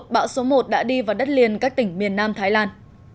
bão số một đã đi vào đất liền các tỉnh miền nam thái lan